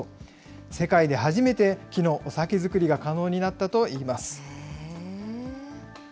世界で初めて木のお酒造りが可能になったといいます。